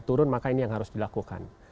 turun maka ini yang harus dilakukan